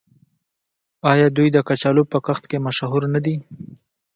آیا دوی د کچالو په کښت مشهور نه دي؟